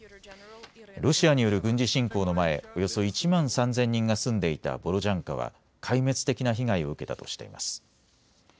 ロシアによる軍事侵攻の前、およそ１万３０００人が住んでいたボロジャンカは壊滅的な被害を受けたとしています。